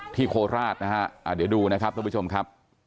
ที่โคลดราชนะครับเดี๋ยวดูนะครับทุกผู้ชมครับ